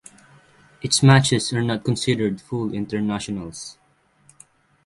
Its matches are not considered full internationals.